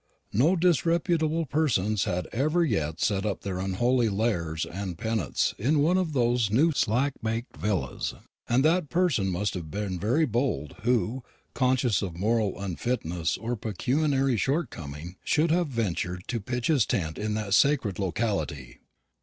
No disreputable persons had ever yet set up their unholy Lares and Penates in one of those new slack baked villas; and that person must have been very bold who, conscious of moral unfitness or pecuniary shortcoming, should have ventured to pitch his tent in that sacred locality.